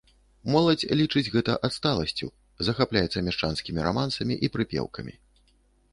Моладзь лічыць гэта адсталасцю, захапляецца мяшчанскімі рамансамі і прыпеўкамі.